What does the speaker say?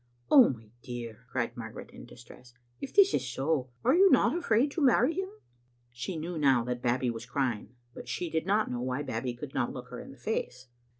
"Oh, my dear," cried Margaret, in distress, "if this is so, are you not afraid to marry him?" She knew now that Babbie was crying, but she did not know why Babbie could not look her in the face.